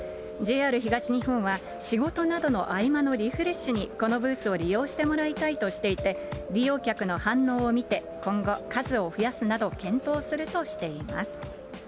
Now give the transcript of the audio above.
ＪＲ東日本は、仕事などの合間のリフレッシュに、このブースを利用してもらいたいとしていて、利用客の反応を見て、今後、数を増やすなど検討するとしています。